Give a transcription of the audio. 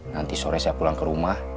nanti sore saya pulang ke rumah